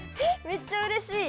めっちゃうれしい。